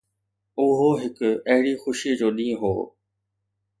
اهو هڪ اهڙي خوشي جو ڏينهن هو.